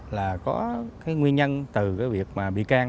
là có nguyên nhân từ việc bị can